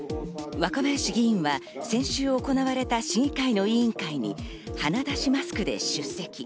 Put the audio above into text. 若林議員は先週行われた市議会の委員会に鼻出しマスクで出席。